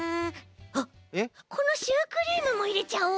あっこのシュークリームもいれちゃおう。